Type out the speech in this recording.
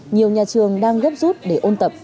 nhiều nhà trường đang góp rút để ôn tập